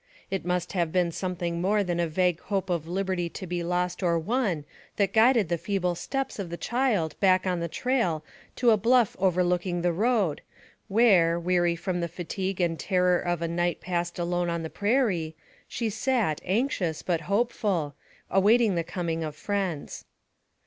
It must have been something more than a vague hope of liberty to be lost or won that guided the fee ble steps of the child back on the trail to a bluff over looking the road where, weary from the fatigue and terror of a night passed alone on the prairie, she sat, anxious, but hopeful, awaiting the coming of friends.